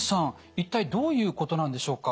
一体どういうことなんでしょうか？